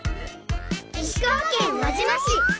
石川県輪島市。